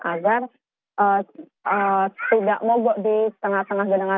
agar tidak mogok di tengah tengah gedangan